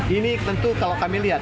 ini tentu kalau kami lihat